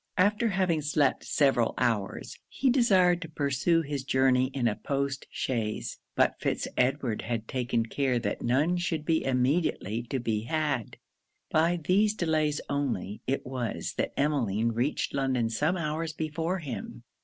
After having slept several hours, he desired to pursue his journey in a post chaise; but Fitz Edward had taken care that none should be immediately to be had. By these delays only it was that Emmeline reached London some hours before him.